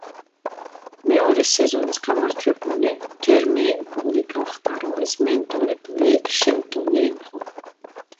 მეორე სეზონის გამარჯვებული ჯერმეინ პოლი გახდა, რომლის მენტორი ბლეიკ შელტონი იყო.